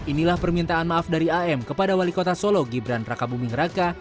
inilah permintaan maaf dari am kepada wali kota solo gibran raka buming raka